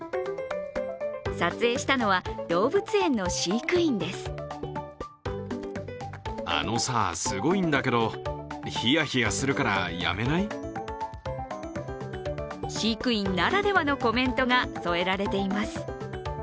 撮影したのは、動物園の飼育員です飼育員ならではのコメントが添えられています。